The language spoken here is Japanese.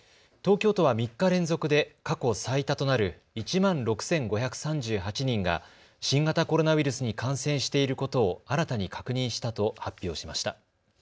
東京都は３日連続で過去最多となる１万６５３８人が新型コロナウイルスに感染していることを新たに確認したと発表しました。